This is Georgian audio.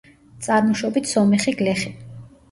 წარმოშობით სომეხი გლეხი.